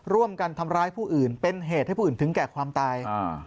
ร่วมกันทำร้ายผู้อื่นเป็นเหตุให้ผู้อื่นถึงแก่ความตาย